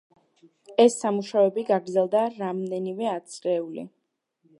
ეს სამუშოები გაგრძელდა რამვენიმე ათწლეული.